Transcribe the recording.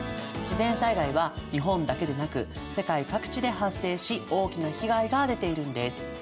自然災害は日本だけでなく世界各地で発生し大きな被害が出ているんです。